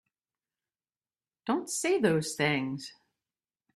Don't say those things!